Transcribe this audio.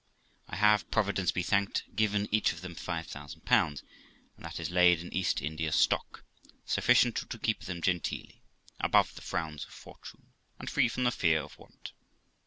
I have, Providence be thanked, given each of them 5000, and that is laid in East India stock, sufficient to keep them genteelly, above the frowns of fortune, and free from the fear of want.